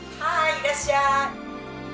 いらっしゃい。